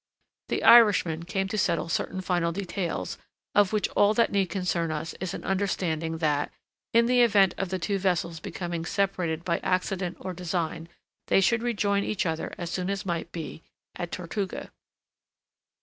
The Irishman came to settle certain final details of which all that need concern us is an understanding that, in the event of the two vessels becoming separated by accident or design, they should rejoin each other as soon as might be at Tortuga.